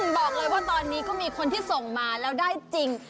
บอกเลยว่าตอนนี้ก็มีคนที่ส่งมาแล้วได้จริง